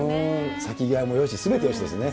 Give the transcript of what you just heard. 咲き際もよし、すべてよしですね。